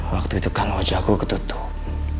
waktu itu kan wajahku ketutup